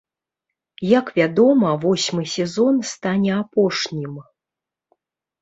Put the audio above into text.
Як вядома, восьмы сезон стане апошнім.